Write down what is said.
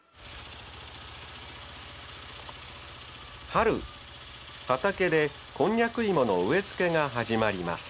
春畑でこんにゃく芋の植え付けが始まります。